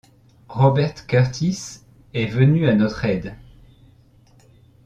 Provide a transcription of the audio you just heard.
Robert Kurtis est venu à notre aide.